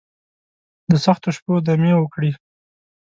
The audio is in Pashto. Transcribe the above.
دسختو شپو، دمې وکړي